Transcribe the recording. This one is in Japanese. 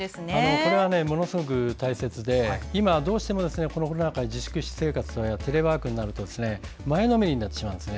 これはものすごく大切で今、どうしてもコロナ禍で自粛生活やテレワークになると前のめりになるんです。